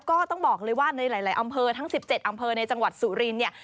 ก็ต้องบอกเลยว่าในหลายอำเภอทั้ง๑๗อำเภอในจังหวัดสุรินเนี่ย